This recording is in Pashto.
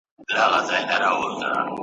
کله کله هم شاعر بې موضوع وي `